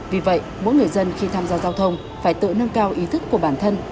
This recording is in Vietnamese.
vì vậy mỗi người dân khi tham gia giao thông phải tự nâng cao ý thức của bản thân